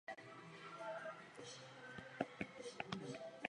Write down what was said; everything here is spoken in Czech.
Řešení někdy nelze najít ani na úrovni jednotlivých států.